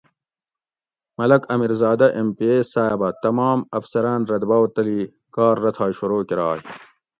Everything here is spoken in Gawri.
ملک امیر زادہ ایم پی اے صاحبہ تمام افسران رہ دباؤ تلی کار رتھائ شروع کۤراۓ